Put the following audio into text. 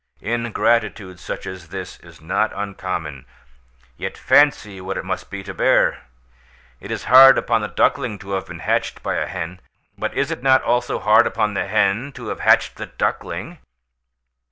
Ingratitude such as this is not uncommon, yet fancy what it must be to bear! It is hard upon the duckling to have been hatched by a hen, but is it not also hard upon the hen to have hatched the duckling?